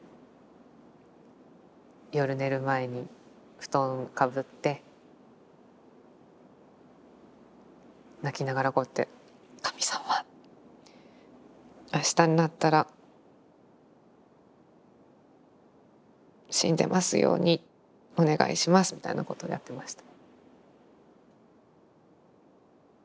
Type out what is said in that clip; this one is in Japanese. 夜寝る前に布団かぶって泣きながらこうやって「神様明日になったら死んでますようにお願いします」みたいなことをやってました。